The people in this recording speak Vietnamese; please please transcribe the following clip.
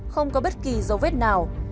không có bất kỳ dấu vết nào